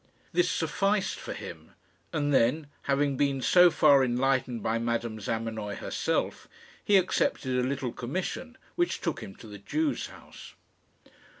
This sufficed for him; and then having been so far enlightened by Madame Zamenoy herself he accepted a little commission, which took him to the Jew's house.